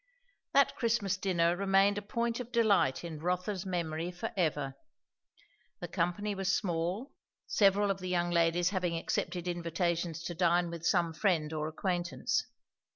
That Christmas dinner remained a point of delight in Rotha's memory for ever. The company was small, several of the young ladies having accepted invitations to dine with some friend or acquaintance.